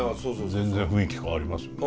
全然雰囲気変わりますよね。